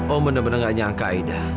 om bener bener gak nyangka aida